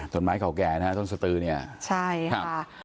สนไม้เก่าแก่นะฮะต้นสตือนี้ครับใช่ค่ะ